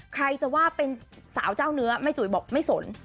ใครจะว่าเป็นสาวเจ้าเนื้อแม่จุ๋ยบอกไม่สน